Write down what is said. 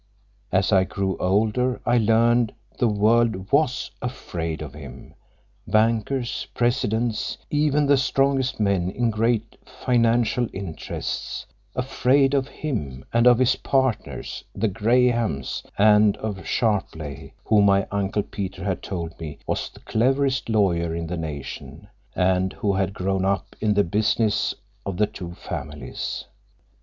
As I grew older I learned the world was afraid of him—bankers, presidents, even the strongest men in great financial interests; afraid of him, and of his partners, the Grahams, and of Sharpleigh, who my Uncle Peter had told me was the cleverest lawyer in the nation, and who had grown up in the business of the two families.